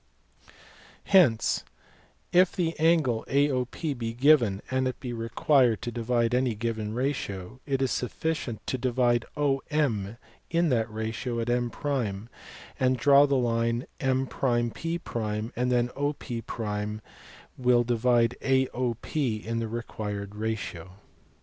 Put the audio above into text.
Hence, if the angle AOP be given, and it be required to divide it in any given ratio, it is sufficient to divide OM in that ratio at M , and draw the line M P \ then OP will divide AOP in the required ratio.